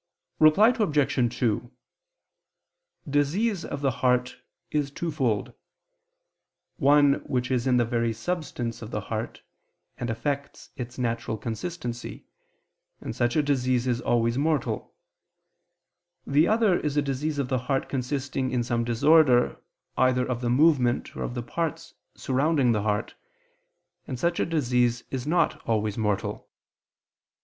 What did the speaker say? Reply Obj. 2: Disease of the heart is twofold: one which is in the very substance of the heart, and affects its natural consistency, and such a disease is always mortal: the other is a disease of the heart consisting in some disorder either of the movement or of the parts surrounding the heart, and such a disease is not always mortal.